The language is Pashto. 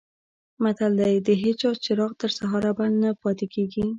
متل دی: د هېچا چراغ تر سهاره بل نه پاتې کېږي.